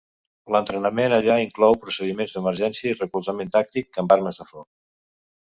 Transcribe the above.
L' entrenament allà inclou procediments d'emergència i recolzament tàctic amb armes de foc.